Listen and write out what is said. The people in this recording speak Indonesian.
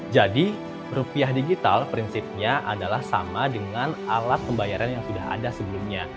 jadi rupiah digital prinsipnya adalah sama dengan alat pembayaran yang sudah ada sebelumnya